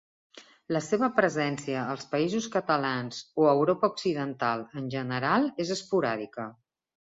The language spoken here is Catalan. La seva presència als Països Catalans o Europa Occidental en general, és esporàdica.